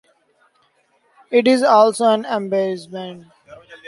It is also an amebicide.